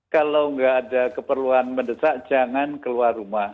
kalau nggak ada keperluan mendesak jangan keluar rumah